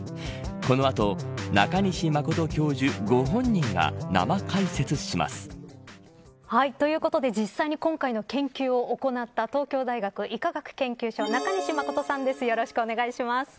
この後、中西真教授ご本人が生解説します。ということで実際に今回の研究を行った東京大学医科学研究所中西真さんです。